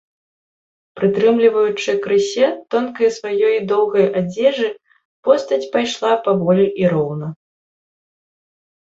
Прытрымліваючы крыссе тонкай сваёй доўгай адзежы, постаць пайшла паволі і роўна.